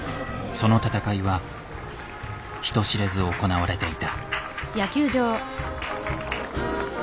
その戦いは人知れず行われていた。